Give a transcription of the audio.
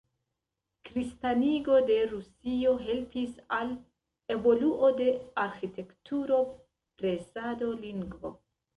Kristanigo de Rusio helpis al evoluo de arĥitekturo, presado, lingvo.